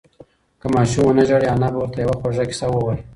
که ماشوم ونه ژاړي، انا به ورته یوه خوږه قصه ووایي.